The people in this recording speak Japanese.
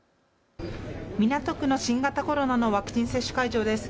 港区の新型コロナのワクチン接種会場です。